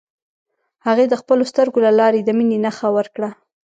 هغې د خپلو سترګو له لارې د مینې نښه ورکړه.